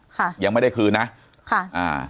ค่ะยังไม่ได้คืนนะค่ะอ่า